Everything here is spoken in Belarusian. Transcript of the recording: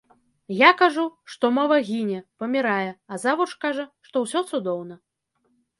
Я кажу, што мова гіне, памірае, а завуч кажа, што ўсё цудоўна.